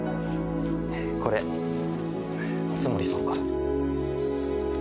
これ熱護さんから。